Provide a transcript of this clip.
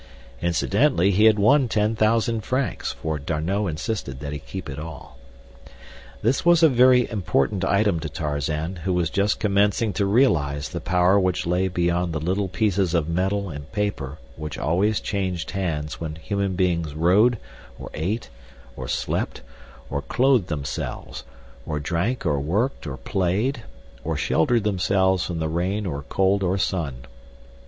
Incidentally, he had won ten thousand francs, for D'Arnot insisted that he keep it all. This was a very important item to Tarzan, who was just commencing to realize the power which lay beyond the little pieces of metal and paper which always changed hands when human beings rode, or ate, or slept, or clothed themselves, or drank, or worked, or played, or sheltered themselves from the rain or cold or sun.